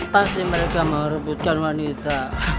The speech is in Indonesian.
pasti mereka merebutkan wanita